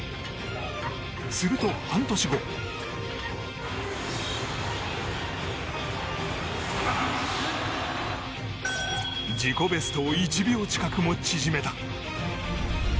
すると、半年後自己ベストを１秒近くも縮めた。